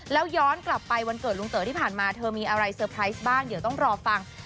แล้วย้อนกลับไปวันเกิดลุงเต๋อที่ผ่านมาเธอมีอะไรเซอร์ไพรส์บ้างเดี๋ยวต้องรอฟัง